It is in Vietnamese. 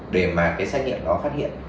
để mà cái xét nghiệm nó phát hiện